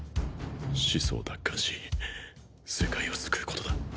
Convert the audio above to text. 始祖を奪還し世界を救うことだ。